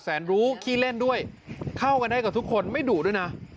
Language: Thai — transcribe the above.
รู้ขี้เล่นด้วยเข้ากันได้กับทุกคนไม่ดุด้วยนะ